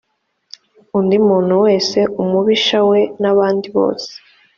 undi muntu wese umubisha we n’abandi bose